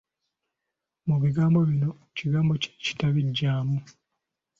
Mu bigambo bino, kigambo ki ekitabigyamu.